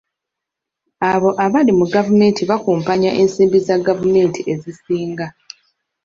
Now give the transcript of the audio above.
Abo abali mu gavumenti bakumpanya ensimbi za gavumenti ezisinga.